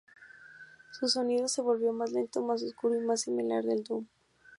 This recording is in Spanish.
Su sonido se volvió más lento, más oscuro y más similar al Doom.